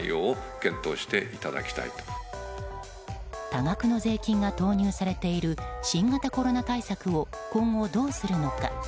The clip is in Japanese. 多額の税金が投入されている新型コロナ対策を今後、どうするのか。